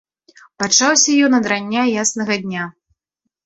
Пачаўся ён ад рання яснага дня.